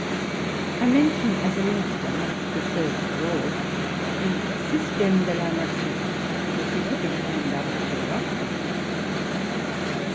I mention as an instance, to serve for all, the ''Systéme de la Nature,'' which we took in hand out of curiosity.